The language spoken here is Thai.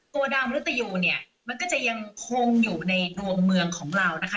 ตัวดาวมรุตยูเนี่ยมันก็จะยังคงอยู่ในดวงเมืองของเรานะคะ